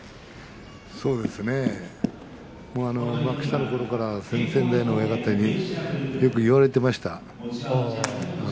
そうですね幕下のころから先代の親方によく言われていました。